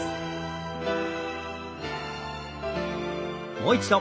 もう一度。